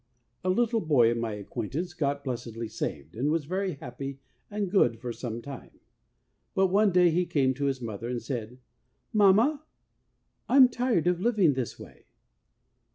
A little boy of my acquaintance got blessedly saved, and was very happy and good for some time. But one day he came to his mother, and said, 'Mamma, I'm tired of living this way.